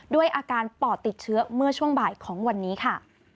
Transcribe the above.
ด้วยอาการปอดติดเชื้อเมื่อช่วงบ่ายของวันนี้ค่ะ